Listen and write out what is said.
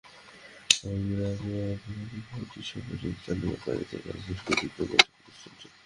তবে মিয়াবাজার থেকে বাতিশা পর্যন্ত চার নম্বর প্যাকেজের কাজ ধীরগতিতে করছে প্রতিষ্ঠানটি।